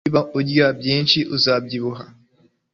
Niba urya byinshi uzabyibuha